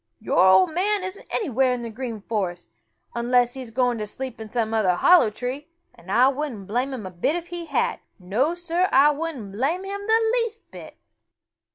"Your old man isn't anywhere in the Green Forest, unless he's gone to sleep in some other hollow tree, and I wouldn't blame him a bit if he had! No, Sir, I wouldn't blame him the least bit!"